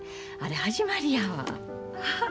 あれ始まりやわ。